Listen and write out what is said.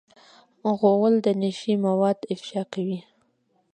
غول د نشې مواد افشا کوي.